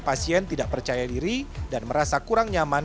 pasien tidak percaya diri dan merasa kurang nyaman